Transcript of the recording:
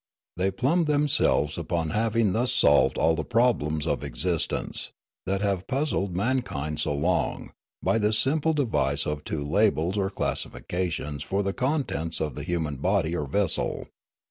They plumed themselves upon having thus solved all the problems of existence, that have puzzled mankind so long, by this simple device of two labels or classifi cations for the contents of the human body or vessel.